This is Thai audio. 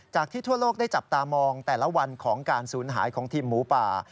ที่ทั่วโลกได้จับตามองแต่ละวันของการสูญหายของทีมหมูป่า